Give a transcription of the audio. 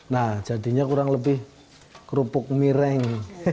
nah jadinya kurang lebih kerupuk mireng